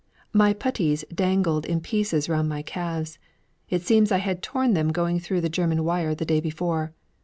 My puttees dangled in pieces round my calves. It seems I had torn them going through the German wire the day before.